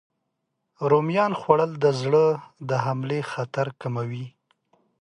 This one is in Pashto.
رومیان خوړل د زړه حملې خطر کموي.